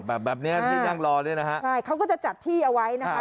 แบบแบบเนี้ยที่นั่งรอเนี่ยนะฮะใช่เขาก็จะจัดที่เอาไว้นะคะ